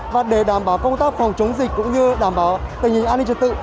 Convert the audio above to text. và để đảm bảo công tác phòng chống dịch cũng như đảm bảo tình hình an ninh trật tự